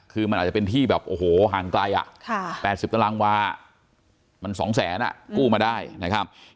คือมันอาจจะเป็นที่แบบโอ้โหห่างไกล๘๐ตารางวามัน๒แสนกู้มาได้นะครับ